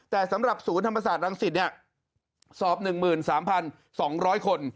แต่สำหรับศูนย์ธรรมศาสตรังสิตสอบ๑๓๒๐๐คน